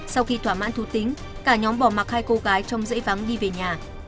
sau khi thỏa mãn thủ tính cả nhóm bỏ mặc hai cô gái trong rễ vắng đi về nhà